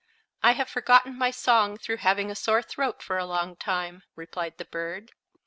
"I have forgotten my song, through having a sore throat for a long time," replied the bird.